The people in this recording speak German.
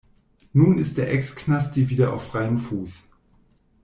Nun ist der Ex-Knasti wieder auf freiem Fuß.